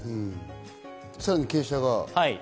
さらに傾斜が。